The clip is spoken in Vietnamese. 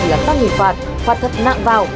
là tăng hình phạt phạt thật nặng vào